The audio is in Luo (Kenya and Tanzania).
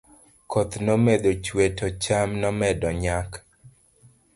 koth nomedo chuwe to cham nomedo nyak